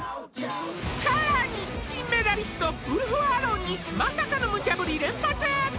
さらに金メダリストウルフアロンにまさかの無茶ぶり連発！？